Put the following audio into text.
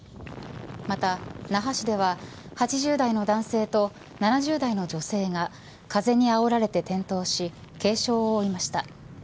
また、那覇市では８０代の男性と７０代の女性が風にあおられて転倒し軽傷を負いました。